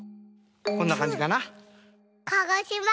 こんなかんじかな。